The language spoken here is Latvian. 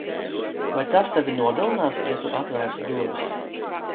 Vai tas tevi nogalinās ja tu atvērsi durvis?